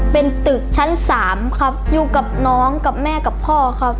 เป็นตึกชั้น๓ครับอยู่กับน้องกับแม่กับพ่อครับ